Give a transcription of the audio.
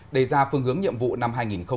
đề ra phương hướng nhiệm vụ năm hai nghìn hai mươi